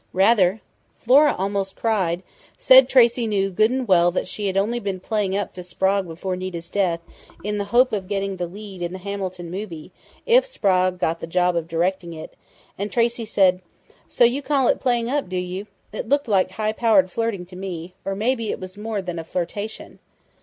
"Rather! Flora almost cried, said Tracey knew good and well that she had only been playing up to Sprague before Nita's death, in the hope of getting the lead in the Hamilton movie, if Sprague got the job of directing it, and Tracey said, 'So you call it playing up, do you? It looked like high powered flirting to me or maybe it was more than a flirtation!...'